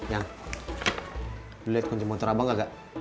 yang lu liat kunci motor abang gak